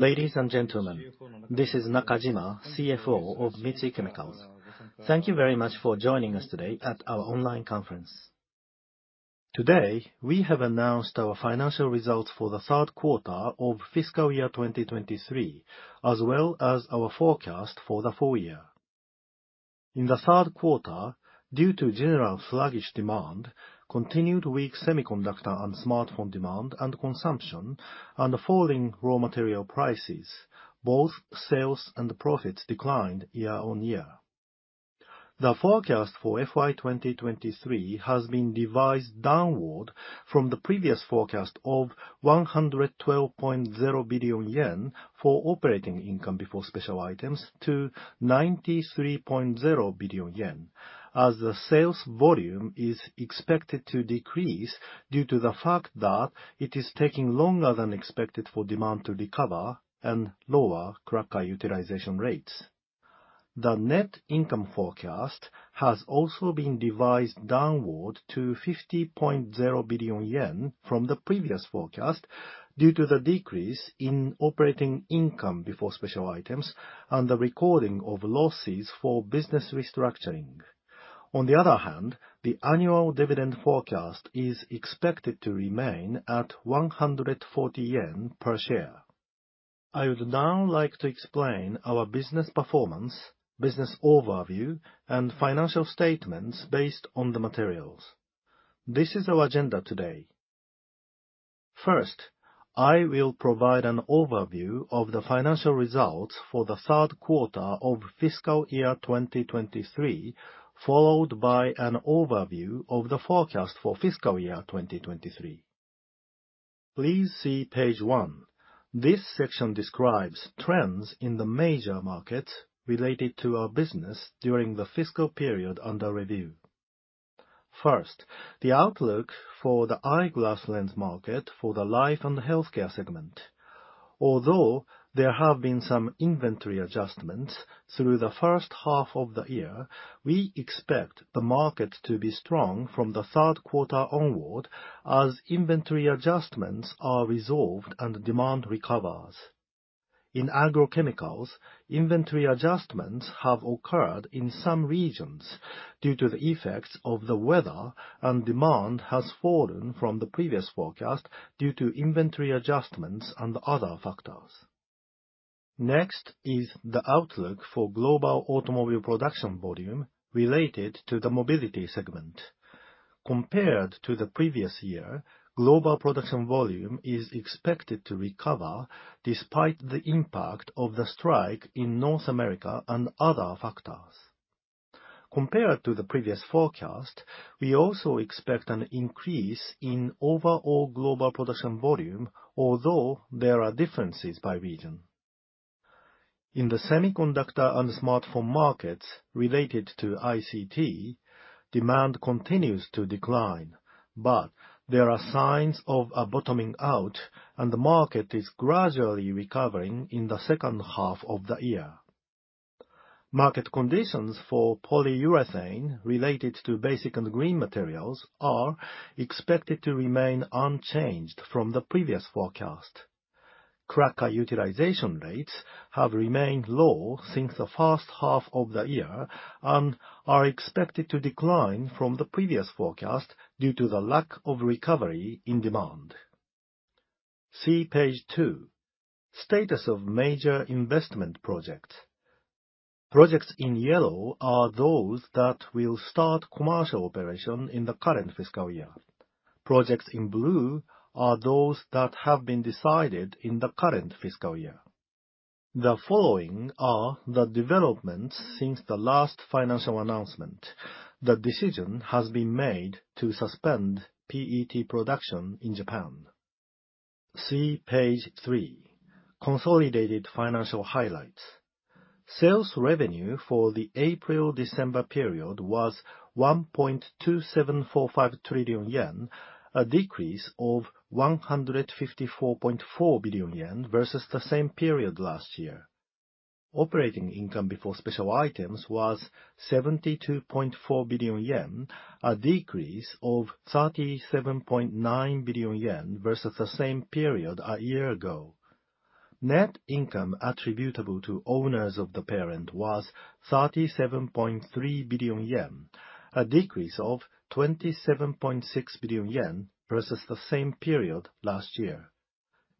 Ladies and gentlemen, this is Nakajima, CFO of Mitsui Chemicals. Thank you very much for joining us today at our online conference. Today, we have announced our financial results for the third quarter of fiscal year 2023, as well as our forecast for the full year. In the third quarter, due to general sluggish demand, continued weak semiconductor and smartphone demand and consumption, and falling raw material prices, both sales and profits declined year-over-year. The forecast for FY 2023 has been revised downward from the previous forecast of 112.0 billion yen for operating income before special items to 93.0 billion yen, as the sales volume is expected to decrease due to the fact that it is taking longer than expected for demand to recover and lower cracker utilization rates. The net income forecast has also been revised downward to 50.0 billion yen from the previous forecast, due to the decrease in operating income before special items and the recording of losses for business restructuring. On the other hand, the annual dividend forecast is expected to remain at 140 yen per share. I would now like to explain our business performance, business overview, and financial statements based on the materials. This is our agenda today. First, I will provide an overview of the financial results for the third quarter of fiscal year 2023, followed by an overview of the forecast for fiscal year 2023. Please see page one. This section describes trends in the major markets related to our business during the fiscal period under review. First, the outlook for the eyeglass lens market for the life and healthcare segment. Although there have been some inventory adjustments through the first half of the year, we expect the market to be strong from the third quarter onward, as inventory adjustments are resolved and demand recovers. In agrochemicals, inventory adjustments have occurred in some regions due to the effects of the weather, and demand has fallen from the previous forecast due to inventory adjustments and other factors. Next is the outlook for global automobile production volume related to the mobility segment. Compared to the previous year, global production volume is expected to recover despite the impact of the strike in North America and other factors. Compared to the previous forecast, we also expect an increase in overall global production volume, although there are differences by region. In the semiconductor and smartphone markets related to ICT, demand continues to decline, but there are signs of a bottoming out, and the market is gradually recovering in the second half of the year. Market conditions for polyurethane related to Basic & Green Materials are expected to remain unchanged from the previous forecast. Cracker utilization rates have remained low since the first half of the year and are expected to decline from the previous forecast due to the lack of recovery in demand. See page two, Status of Major Investment Projects. Projects in yellow are those that will start commercial operation in the current fiscal year. Projects in blue are those that have been decided in the current fiscal year. The following are the developments since the last financial announcement. The decision has been made to suspend PET production in Japan. See page three, Consolidated Financial Highlights. Sales revenue for the April-December period was 1.2745 trillion yen, a decrease of 154.4 billion yen versus the same period last year. Operating income before special items was 72.4 billion yen, a decrease of 37.9 billion yen versus the same period a year ago. Net income attributable to owners of the parent was 37.3 billion yen, a decrease of 27.6 billion yen versus the same period last year.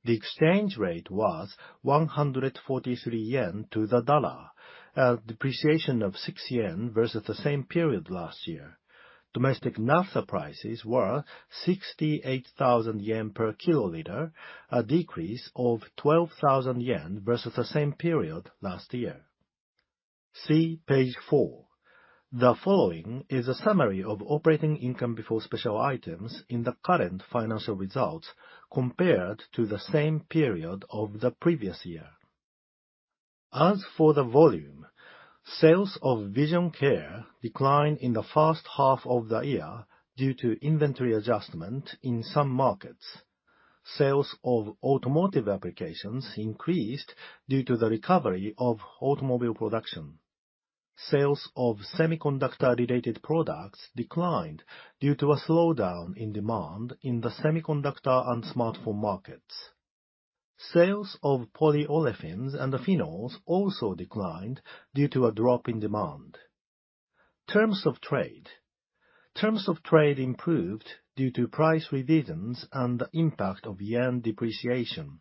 The exchange rate was 143 yen to the dollar, a depreciation of 6 yen versus the same period last year. Domestic naphtha prices were 68,000 yen per kiloliter, a decrease of 12,000 yen versus the same period last year. See page four. The following is a summary of Operating income before special items in the current financial results compared to the same period of the previous year. As for the volume, sales of Vision Care declined in the first half of the year due to inventory adjustment in some markets. Sales of automotive applications increased due to the recovery of automobile production.... Sales of semiconductor-related products declined due to a slowdown in demand in the semiconductor and smartphone markets. Sales of polyolefins and phenols also declined due to a drop in demand. Terms of trade. Terms of trade improved due to price revisions and the impact of yen depreciation.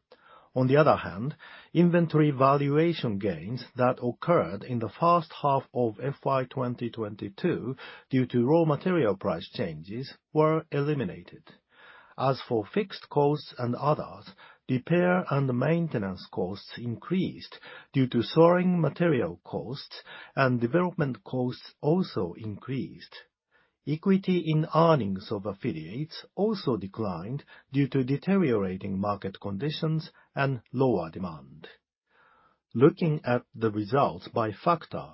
On the other hand, inventory valuation gains that occurred in the first half of FY 2022 due to raw material price changes were eliminated. As for fixed costs and others, repair and maintenance costs increased due to soaring material costs, and development costs also increased. Equity in earnings of affiliates also declined due to deteriorating market conditions and lower demand. Looking at the results by factor,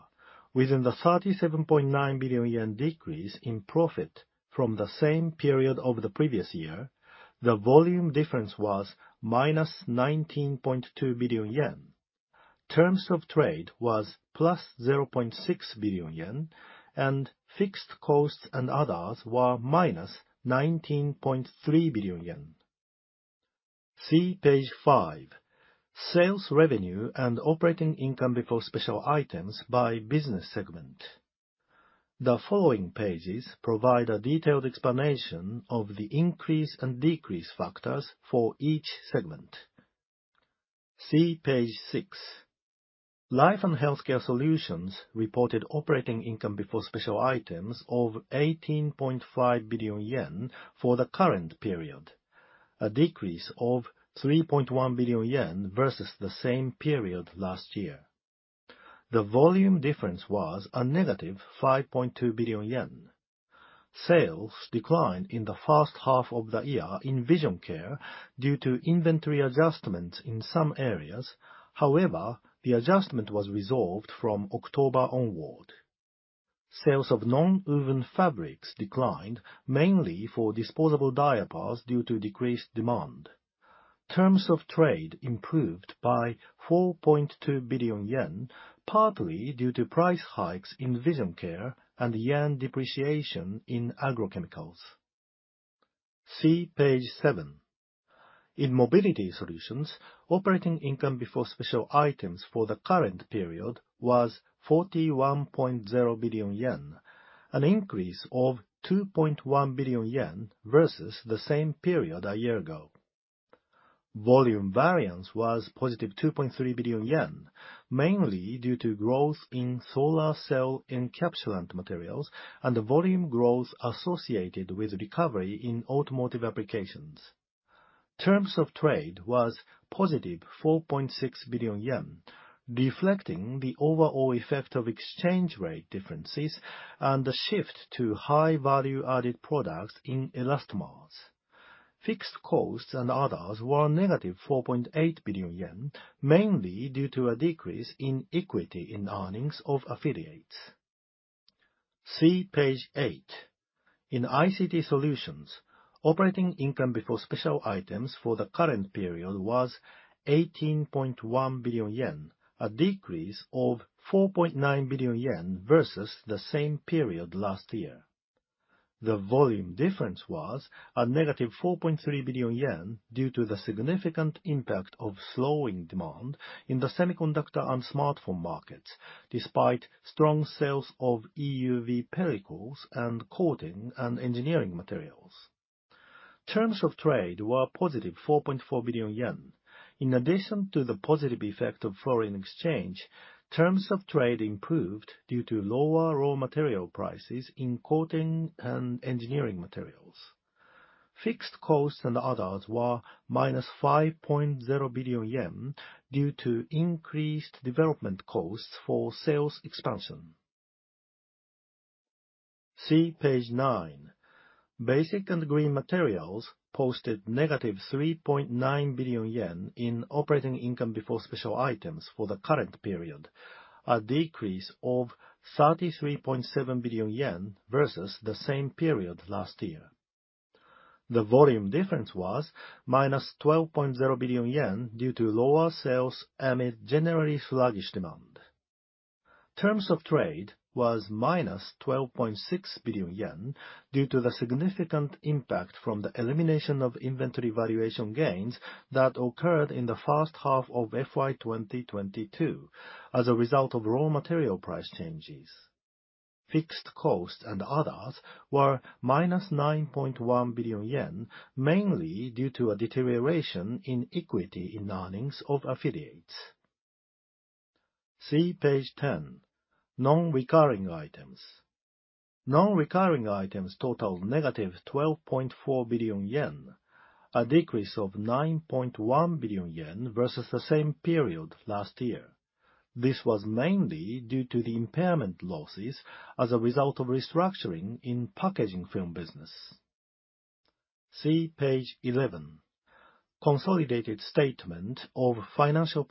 within the 37.9 billion yen decrease in profit from the same period of the previous year, the volume difference was -19.2 billion yen. Terms of trade was +0.6 billion yen, and fixed costs and others were -19.3 billion yen. See page five, Sales revenue and operating income before special items by business segment. The following pages provide a detailed explanation of the increase and decrease factors for each segment. See page six. Life & Healthcare Solutions reported operating income before special items of 18.5 billion yen for the current period, a decrease of 3.1 billion yen versus the same period last year. The volume difference was a negative 5.2 billion yen. Sales declined in the first half of the year in Vision Care due to inventory adjustments in some areas. However, the adjustment was resolved from October onward. Sales of nonwoven fabrics declined, mainly for disposable diapers, due to decreased demand. Terms of trade improved by 4.2 billion yen, partly due to price hikes in Vision Care and yen depreciation in agrochemicals. See page seven. In Mobility Solutions, operating income before special items for the current period was 41.0 billion yen, an increase of 2.1 billion yen versus the same period a year ago. Volume variance was +2.3 billion yen, mainly due to growth in solar cell encapsulant materials and the volume growth associated with recovery in automotive applications. Terms of trade was +4.6 billion yen, reflecting the overall effect of exchange rate differences and the shift to high value-added products in elastomers. Fixed costs and others were negative 4.8 billion yen, mainly due to a decrease in equity in earnings of affiliates. See page eight. In ICT Solutions, operating income before special items for the current period was 18.1 billion yen, a decrease of 4.9 billion yen versus the same period last year. The volume difference was a negative 4.3 billion yen due to the significant impact of slowing demand in the semiconductor and smartphone markets, despite strong sales of EUV pellicles and coating and engineering materials. Terms of trade were +4.4 billion yen. In addition to the positive effect of foreign exchange, terms of trade improved due to lower raw material prices in coating and engineering materials. Fixed costs and others were -5.0 billion yen due to increased development costs for sales expansion. See page nine. Basic & Green Materials posted -3.9 billion yen in operating income before special items for the current period, a decrease of 33.7 billion yen versus the same period last year. The volume difference was -12.0 billion yen due to lower sales amid generally sluggish demand. Terms of trade was -12.6 billion yen due to the significant impact from the elimination of inventory valuation gains that occurred in the first half of FY 2022 as a result of raw material price changes. Fixed costs and others were -9.1 billion yen, mainly due to a deterioration in equity in earnings of affiliates. See page 10, Non-recurring items. Non-recurring items totaled -12.4 billion yen, a decrease of 9.1 billion yen versus the same period last year. This was mainly due to the impairment losses as a result of restructuring in packaging film business. See page 11, Consolidated Statement of Financial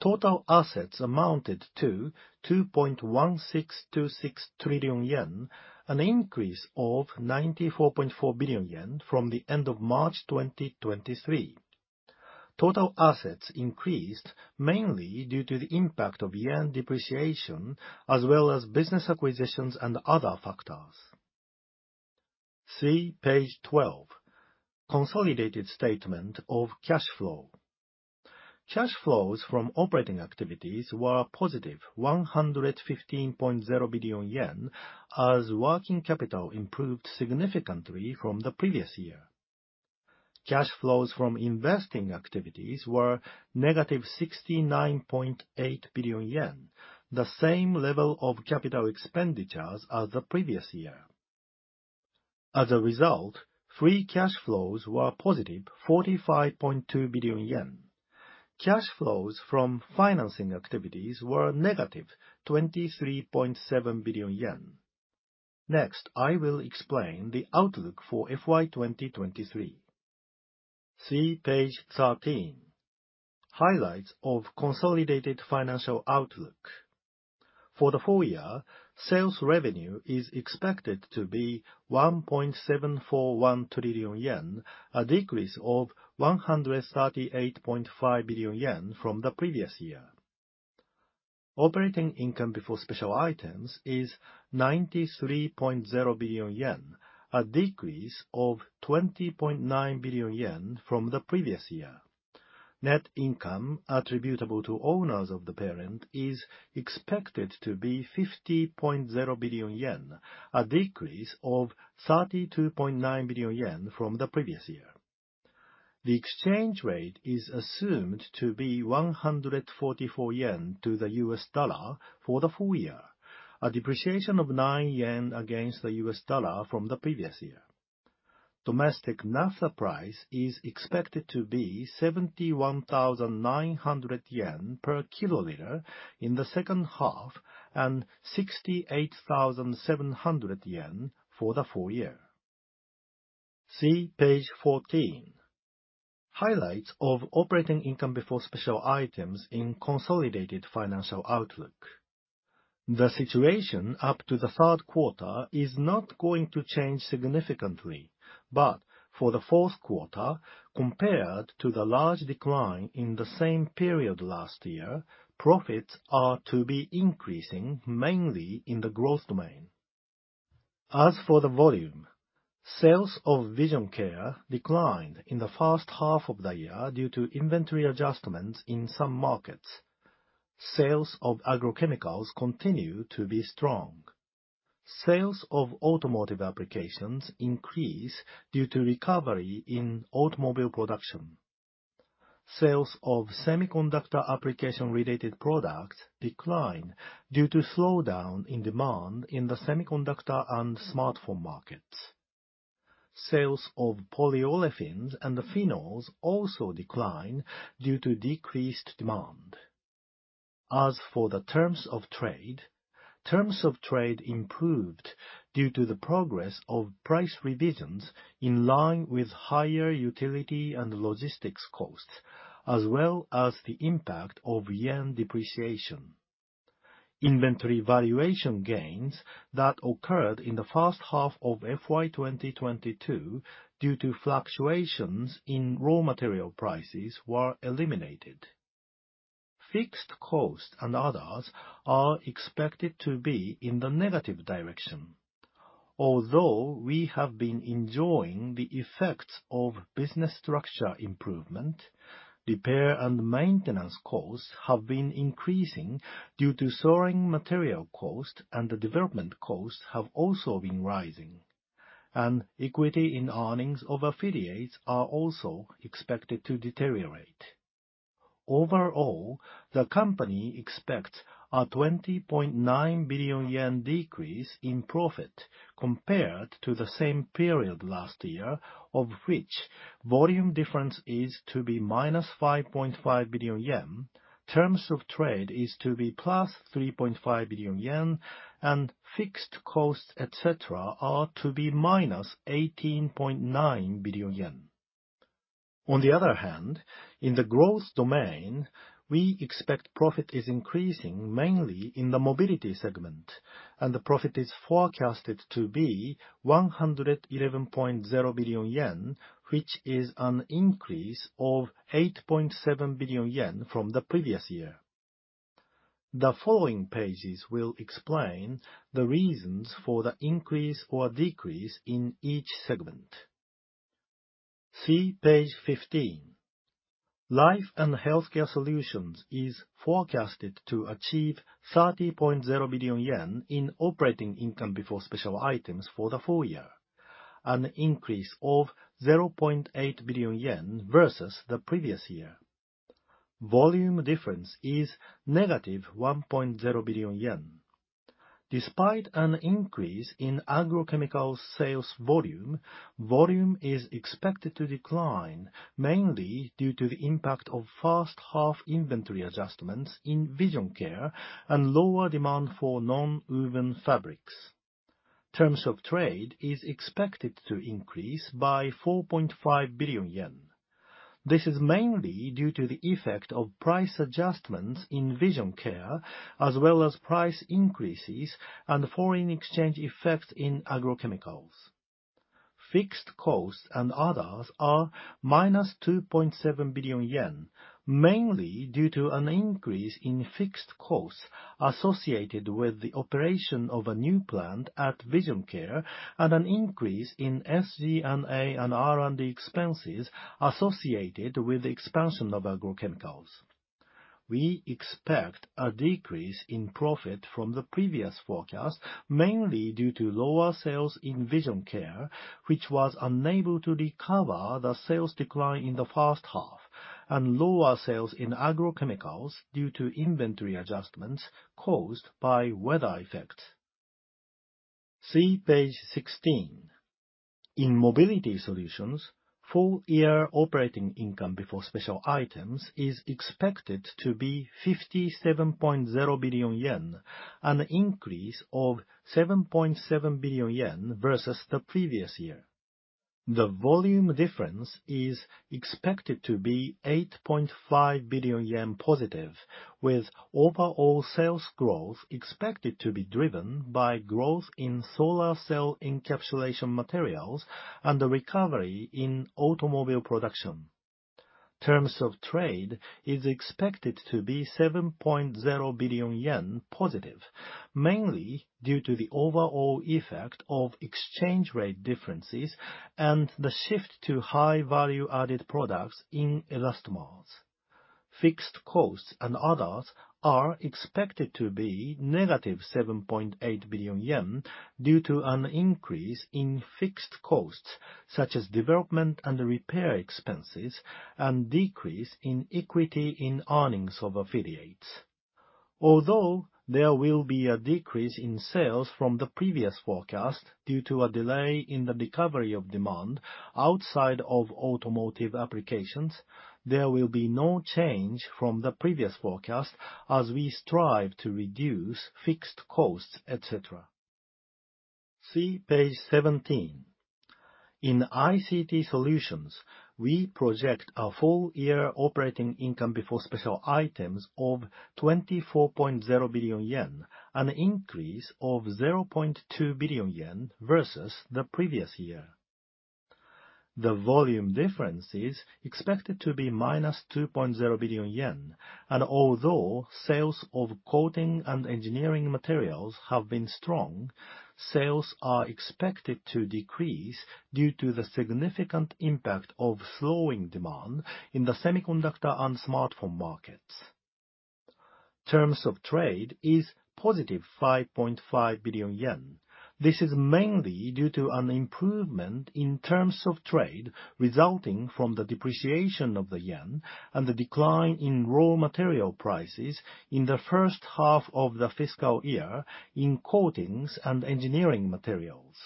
Position. Total assets amounted to 2.1626 trillion yen, an increase of 94.4 billion yen from the end of March 2023. Total assets increased mainly due to the impact of yen depreciation, as well as business acquisitions and other factors. See page 12, Consolidated Statement of Cash Flow. Cash flows from operating activities were positive 115.0 billion yen, as working capital improved significantly from the previous year. Cash flows from investing activities were -69.8 billion yen, the same level of capital expenditures as the previous year. As a result, free cash flows were +45.2 billion yen. Cash flows from financing activities were -23.7 billion yen. Next, I will explain the outlook for FY 2023. See page 13, Highlights of Consolidated Financial Outlook. For the full year, sales revenue is expected to be 1.741 trillion yen, a decrease of 138.5 billion yen from the previous year. Operating income before special items is 93.0 billion yen, a decrease of 20.9 billion yen from the previous year. Net income attributable to owners of the parent is expected to be 50.0 billion yen, a decrease of 32.9 billion yen from the previous year. The exchange rate is assumed to be 144 yen to the US dollar for the full year, a depreciation of 9 yen against the US dollar from the previous year. Domestic naphtha price is expected to be 71,900 yen per kiloliter in the second half, and 68,700 yen for the full year. See page 14, Highlights of Operating Income Before Special Items in Consolidated Financial Outlook. The situation up to the third quarter is not going to change significantly, but for the fourth quarter, compared to the large decline in the same period last year, profits are to be increasing mainly in the growth domain. As for the volume, sales of Vision Care declined in the first half of the year due to inventory adjustments in some markets. Sales of agrochemicals continue to be strong. Sales of automotive applications increase due to recovery in automobile production. Sales of semiconductor application-related products decline due to slowdown in demand in the semiconductor and smartphone markets. Sales of polyolefins and the phenols also decline due to decreased demand. As for the terms of trade, terms of trade improved due to the progress of price revisions in line with higher utility and logistics costs, as well as the impact of yen depreciation. Inventory valuation gains that occurred in the first half of FY 2022 due to fluctuations in raw material prices were eliminated. Fixed costs and others are expected to be in the negative direction. Although we have been enjoying the effects of business structure improvement, repair and maintenance costs have been increasing due to soaring material costs, and the development costs have also been rising. Equity in earnings of affiliates are also expected to deteriorate. Overall, the company expects a 20.9 billion yen decrease in profit compared to the same period last year, of which volume difference is to be -5.5 billion yen, terms of trade is to be +3.5 billion yen, and fixed costs, et cetera, are to be -18.9 billion yen. On the other hand, in the growth domain, we expect profit is increasing mainly in the mobility segment, and the profit is forecasted to be 111.0 billion yen, which is an increase of 8.7 billion yen from the previous year. The following pages will explain the reasons for the increase or decrease in each segment. See page 15. Life and Healthcare Solutions is forecasted to achieve 30.0 billion yen in operating income before special items for the full year, an increase of 0.8 billion yen versus the previous year. Volume difference is -1.0 billion yen. Despite an increase in agrochemical sales volume, volume is expected to decline, mainly due to the impact of first half inventory adjustments in Vision Care and lower demand for nonwoven fabrics. Terms of trade is expected to increase by 4.5 billion yen. This is mainly due to the effect of price adjustments in Vision Care, as well as price increases and foreign exchange effects in agrochemicals.... Fixed costs and others are minus 2.7 billion yen, mainly due to an increase in fixed costs associated with the operation of a new plant at Vision Care, and an increase in SG&A and R&D expenses associated with the expansion of agrochemicals. We expect a decrease in profit from the previous forecast, mainly due to lower sales in Vision Care, which was unable to recover the sales decline in the first half, and lower sales in agrochemicals due to inventory adjustments caused by weather effects. See page 16. In Mobility Solutions, full year operating income before special items is expected to be 57.0 billion yen, an increase of 7.7 billion yen versus the previous year. The volume difference is expected to be 8.5 billion yen positive, with overall sales growth expected to be driven by growth in solar cell encapsulation materials and a recovery in automobile production. Terms of trade is expected to be + 7.0 billion yen, mainly due to the overall effect of exchange rate differences and the shift to high value-added products in elastomers. Fixed costs and others are expected to be -7.8 billion yen, due to an increase in fixed costs, such as development and repair expenses, and decrease in equity in earnings of affiliates. Although there will be a decrease in sales from the previous forecast due to a delay in the recovery of demand outside of automotive applications, there will be no change from the previous forecast as we strive to reduce fixed costs, et cetera. See page 17. In ICT Solutions, we project a full year operating income before special items of 24.0 billion yen, an increase of 0.2 billion yen versus the previous year. The volume difference is expected to be -2.0 billion yen, and although sales of coating and engineering materials have been strong, sales are expected to decrease due to the significant impact of slowing demand in the semiconductor and smartphone markets. Terms of trade is +5.5 billion yen. This is mainly due to an improvement in terms of trade, resulting from the depreciation of the yen and the decline in raw material prices in the first half of the fiscal year in coatings and engineering materials.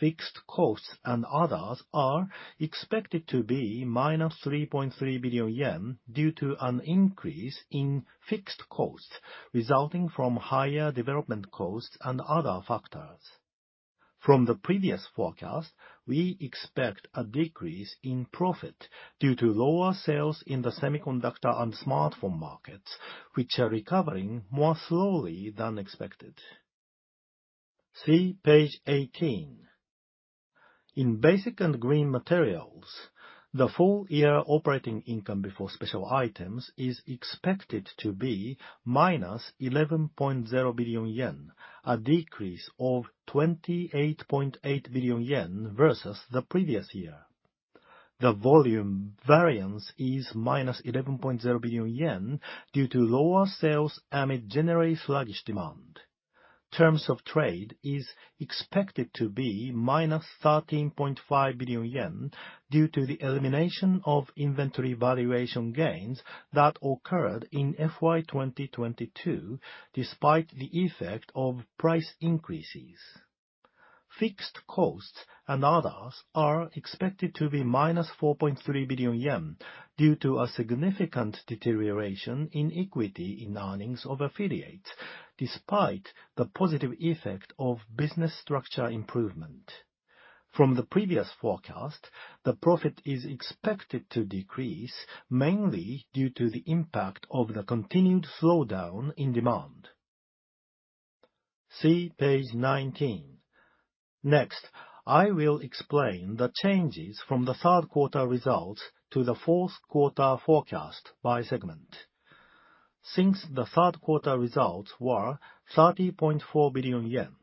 Fixed costs and others are expected to be -3.3 billion yen due to an increase in fixed costs, resulting from higher development costs and other factors. From the previous forecast, we expect a decrease in profit due to lower sales in the semiconductor and smartphone markets, which are recovering more slowly than expected. See page 18. In Basic & Green Materials, the full year operating income before special items is expected to be -11.0 billion yen, a decrease of 28.8 billion yen versus the previous year. The volume variance is -11.0 billion yen due to lower sales amid generally sluggish demand. Terms of trade is expected to be -13.5 billion yen due to the elimination of inventory valuation gains that occurred in FY 2022, despite the effect of price increases. Fixed costs and others are expected to be -4.3 billion yen due to a significant deterioration in equity in earnings of affiliates, despite the positive effect of business structure improvement. From the previous forecast, the profit is expected to decrease, mainly due to the impact of the continued slowdown in demand. See page 19. Next, I will explain the changes from the third quarter results to the fourth quarter forecast by segment. Since the third quarter results were 30.4 billion yen,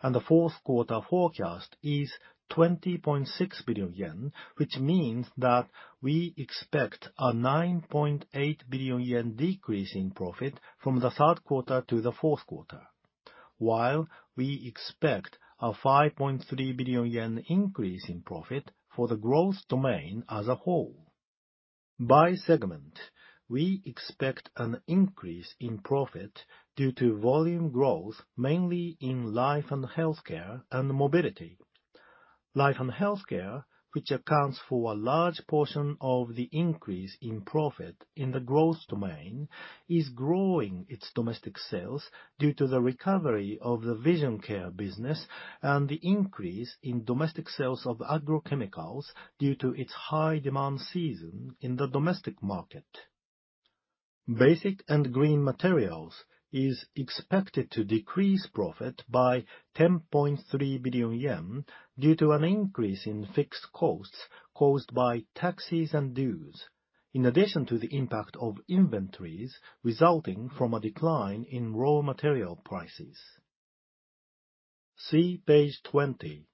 and the fourth quarter forecast is 20.6 billion yen, which means that we expect a 9.8 billion yen decrease in profit from the third quarter to the fourth quarter, while we expect a 5.3 billion yen increase in profit for the growth domain as a whole. By segment, we expect an increase in profit due to volume growth, mainly in life and healthcare and mobility. Life and healthcare, which accounts for a large portion of the increase in profit in the growth domain, is growing its domestic sales due to the recovery of the Vision Care business and the increase in domestic sales of agrochemicals due to its high demand season in the domestic market. Basic & Green Materials is expected to decrease profit by 10.3 billion yen due to an increase in fixed costs caused by taxes and dues, in addition to the impact of inventories resulting from a decline in raw material prices. See page 20.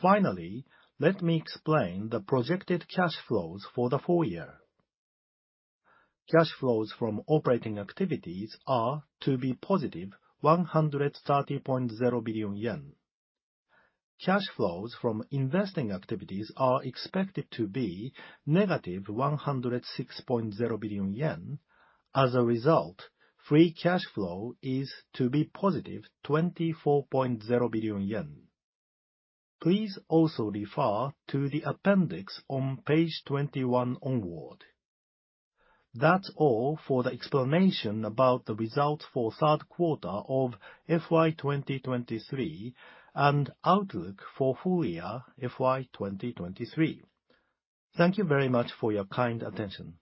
Finally, let me explain the projected cash flows for the full year. Cash flows from operating activities are to be +130.0 billion yen. Cash flows from investing activities are expected to be -106.0 billion yen. As a result, free cash flow is to be positive 24.0 billion yen. Please also refer to the appendix on page 21 onward. That's all for the explanation about the results for third quarter of FY2023 and outlook for full year FY 2023. Thank you very much for your kind attention.